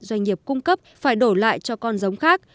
doanh nghiệp cung cấp phải đổi lại cho con giống khác